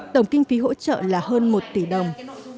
tổng kinh phí hỗ trợ là hơn một tỷ đồng